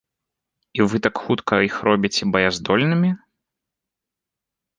І вы так хутка іх робіце баяздольнымі?!